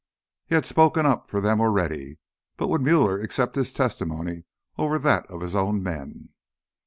He had spoken up for them already, but would Muller accept his testimony over that of his own men?